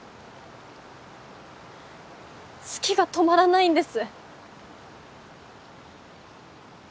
好きが止まらないんです。